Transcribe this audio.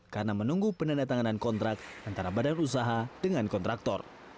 karena menunggu penandatanganan kontrak antara badan usaha dengan kontraktor